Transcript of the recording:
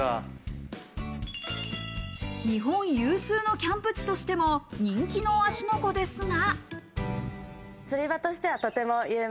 日本有数のキャンプ地としても人気の芦ノ湖ですが。